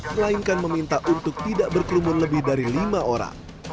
melainkan meminta untuk tidak berkerumun lebih dari lima orang